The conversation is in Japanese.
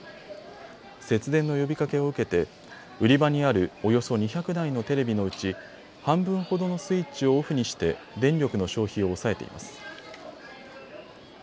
節電の呼びかけを受けて売り場にあるおよそ２００台のテレビのうち半分ほどのスイッチをオフにして電力の消費を抑えています。